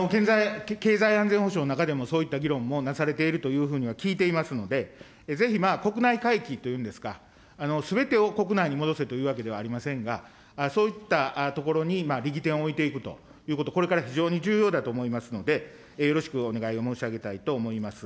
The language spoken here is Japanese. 経済安全保障の中でもそういった議論もなされているというふうには聞いていますので、ぜひまあ国内回帰というんですか、すべてを国内に戻せというわけではありませんが、そういったところに力点を置いていくということ、これから非常に重要だと思いますので、よろしくお願いを申し上げたいと思います。